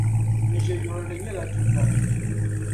N ʒe yurili nyɛla tukari.